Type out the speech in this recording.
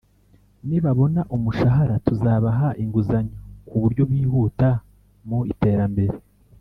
nibabona umushahara tuzabaha inguzanyo ku buryo bihuta mu iterambere